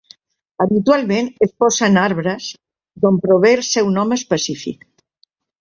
Habitualment es posa en arbres, d'on prové el seu nom específic.